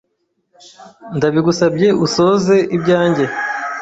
Ndabigusabye Usoze ibyanjye